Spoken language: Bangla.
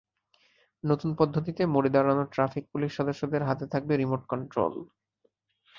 নতুন পদ্ধতিতে মোড়ে দাঁড়ানো ট্রাফিক পুলিশ সদস্যদের হাতে থাকবে রিমোট কন্ট্রোল।